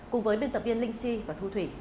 cùng với biên tập viên linh chi và thu thủy